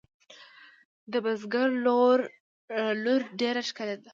د بزگر لور ډېره ښکلې ده.